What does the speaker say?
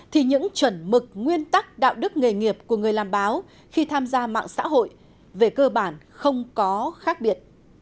thì những chuẩn mực nguyên tắc đạo đức nghề nghiệp của người làm báo khi tham gia mạng xã hội về cơ bản không có khác biệt